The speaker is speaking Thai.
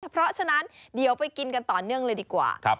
เพราะฉะนั้นเดี๋ยวไปกินกันต่อเนื่องเลยดีกว่า